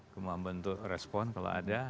kemampuan untuk respon kalau ada